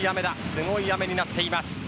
すごい雨になっています。